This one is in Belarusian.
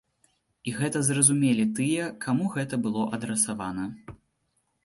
І гэта зразумелі тыя, каму гэта было адрасавана.